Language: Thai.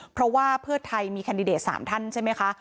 เพราะว่าเพื่อไทยมีแคนดิเดต๓ท่านใช่ไหมคะ